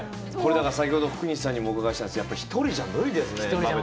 先程、福西さんにもお伺いしましたが１人じゃ無理ですね。